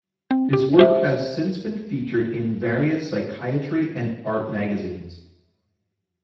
His work has since been featured in various psychiatry and art magazines.